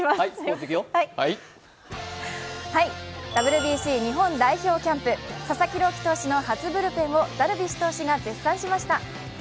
ＷＢＣ日本代表キャンプ、佐々木朗希投手の初ブルペンをダルビッシュ投手が絶賛しました。